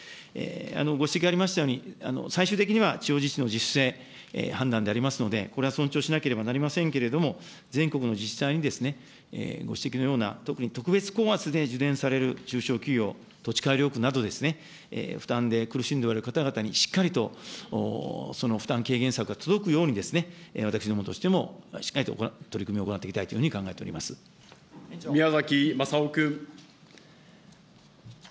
ご指摘ありましたように、最終的には地方自治の自主性、判断になりますので、これは尊重しなければなりませんけれども、全国の自治体にご指摘のような特に特別高圧で受電される中小企業、土地改良区などですね、負担で苦しんでおられる方々にしっかりとその負担軽減策が届くように私どもとしてもしっかりと取り組みを行っていきたいというふ宮崎雅夫君。